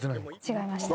違いましたね。